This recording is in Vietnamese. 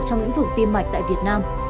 trong lĩnh vực ti mạch tại việt nam